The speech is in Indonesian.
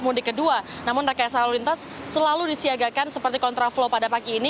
pemudik kedua namun rakyat selalu lintas selalu disiagakan seperti kontraflow pada pagi ini